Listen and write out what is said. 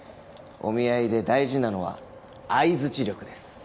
お見合いで大事なのは相づち力です